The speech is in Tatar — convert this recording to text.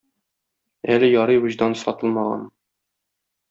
Әле ярый вөҗдан сатылмаган